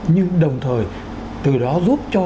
nhưng đồng thời từ đó giúp cho